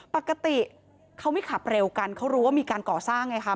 ปกติเขาไม่ขับเร็วกันเขารู้ว่ามีการก่อสร้างไงคะ